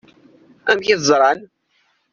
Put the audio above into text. Amek i tt-ẓṛan?